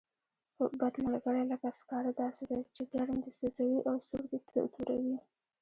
بد ملګری لکه سکاره داسې دی، چې ګرم دې سوځوي او سوړ دې توروي.